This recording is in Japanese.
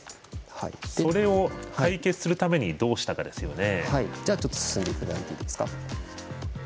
それを解決するためにどうしたかですよね。